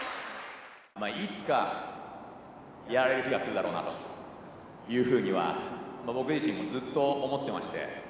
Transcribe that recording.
いつか、やられる日が来るだろうなというふうには、僕自身もずっと思ってまして。